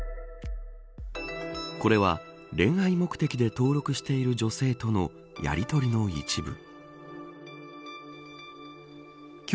これは、恋愛目的で登録している女性とのやりとりの一部。